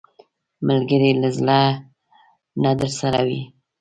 ملګری له زړه نه درسره وي